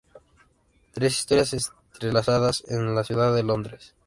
Tres historias entrelazadas en la ciudad de Londres.